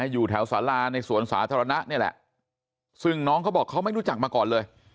อยู่แถวสาราในสวนสาธารณะนี่แหละซึ่งน้องเขาบอกเขาไม่รู้จักมาก่อนเลย